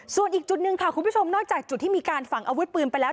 ส่วนอีกจุดหนึ่งค่ะคุณผู้ชมนอกจากจุดที่มีการฝังอาวุธปืนไปแล้ว